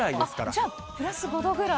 じゃあプラス５度ぐらい。